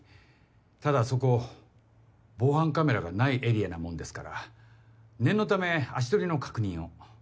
ただそこ防犯カメラがないエリアなもんですから念のため足取りの確認を。